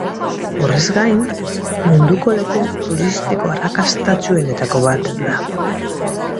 Horrez gain, munduko leku turistiko arrakastatsuenetako bat da.